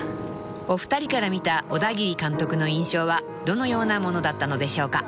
［お二人から見たオダギリ監督の印象はどのようなものだったのでしょうか］